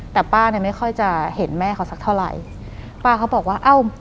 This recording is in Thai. แต่ป้าเนี่ยไม่ค่อยจะเห็นแม่เขาสักเท่าไหร่ป้าเขาบอกว่าเอ้า